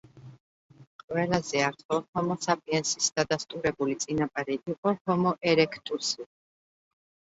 ყველაზე ახლო, ჰომო საპიენსის დადასტურებული წინაპარი იყო ჰომო ერექტუსი.